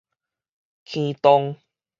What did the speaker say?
坑洞